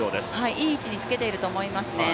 いい位置につけていると思いますね。